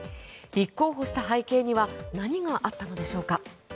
立候補した背景には何があったのでしょうか。